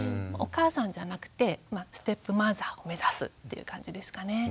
お母さんじゃなくてステップマザーを目指すっていう感じですかね。